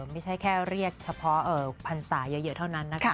ไม่ใช่แค่เรียกเฉพาะพรรษาเยอะเท่านั้นนะคะ